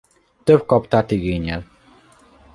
Több kaptárt igényel.